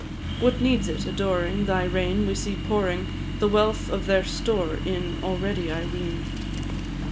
What needs it? Adoring Thy reign, we see pouring The wealth of their store in Already, I ween.